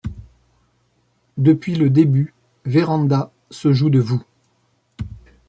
Depuis le début Vérand'a se joue de vous.